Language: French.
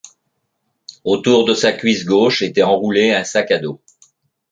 Autour de sa cuisse gauche était enroulé un sac à dos.